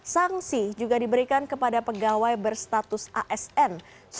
sanksi juga diberikan kepada pegawai berstatus asn